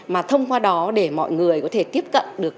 mà thông qua đó để mọi người có thể tiếp cận được